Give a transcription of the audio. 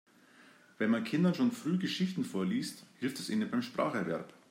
Wenn man Kindern schon früh Geschichten vorliest, hilft es ihnen beim Spracherwerb.